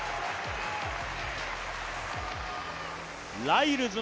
ライルズ